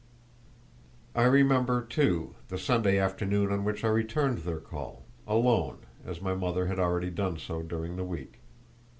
I remember, too, the Sunday afternoon on which I returned their call—alone, as my mother had already done so during the week.